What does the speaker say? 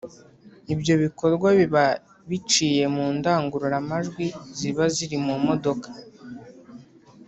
Ibyo bikorwa biba biciye mu ndangururamajwi ziba ziri mu modoka